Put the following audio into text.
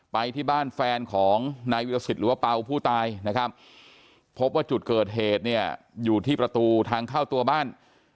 ไปที่บ้านแฟนของนายวิรสิตหรือว่าเป่าผู้ตายนะครับพบว่าจุดเกิดเหตุเนี่ยอยู่ที่ประตูทางเข้าตัวบ้าน